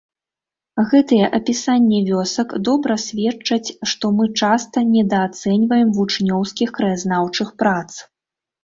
Гэтыя апісанні вёсак добра сведчаць, што мы часта недаацэньваем вучнёўскіх краязнаўчых прац.